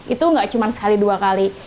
itu nggak cuma sekali dua kali